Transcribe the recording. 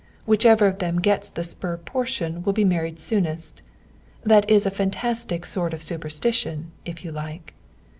Whichever of them gets the spur portion will be married soonest. That is a fantastic sort of superstition, if you like.